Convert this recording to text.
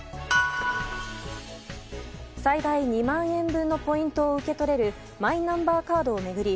最大２万円分のポイントを受け取れるマイナンバーカードを巡り